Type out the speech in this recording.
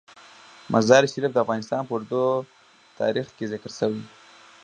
مزارشریف د افغانستان په اوږده تاریخ کې ذکر شوی دی.